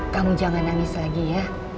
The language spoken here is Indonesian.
kamu jangan nangis lagi ya